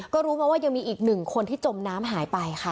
ก็รู้มาว่ายังมีอีกหนึ่งคนที่จมน้ำหายไปค่ะ